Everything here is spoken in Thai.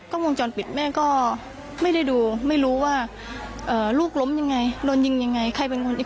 กล้องวงจรปิดแม่ก็ไม่ได้ดูไม่รู้ว่าลูกล้มยังไงโดนยิงยังไง